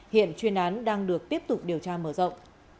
hiện chuyên án đang được tiếp tục điều tra mở rộng